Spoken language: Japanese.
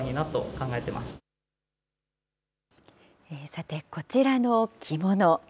さて、こちらの着物。